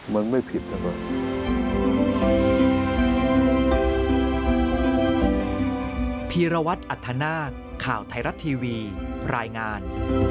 มันไม่ผิดนะครับ